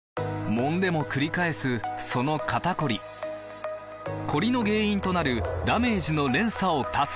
もんでもくり返すその肩こりコリの原因となるダメージの連鎖を断つ！